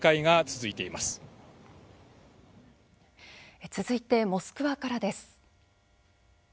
続いてモスクワからです。